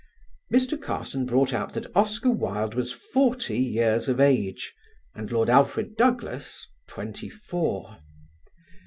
Mr. Carson brought out that Oscar Wilde was forty years of age and Lord Alfred Douglas twenty four.